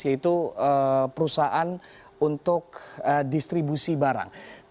yaitu perusahaan untuk distribusi barang